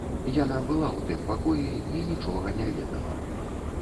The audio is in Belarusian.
Яна была ў тым пакоі і нічога не ведала.